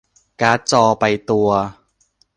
การ์ดจอไปตัว